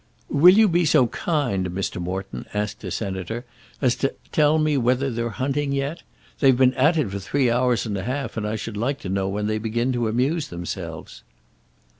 "Will you be so kind, Mr. Morton," asked the Senator, "as to tell me whether they're hunting yet? They've been at it for three hours and a half, and I should like to know when they begin to amuse themselves."